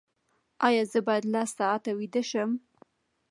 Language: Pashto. ایا زه باید لس ساعته ویده شم؟